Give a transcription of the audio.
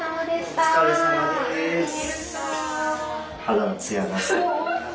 お疲れさまでした。